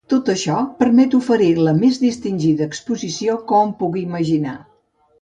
Tot això permet oferir la més distingida exposició que hom pugui imaginar.